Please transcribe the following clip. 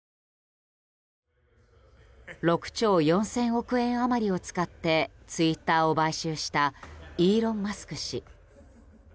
６兆４０００億円余りを使ってツイッターを買収したイーロン・マスク氏。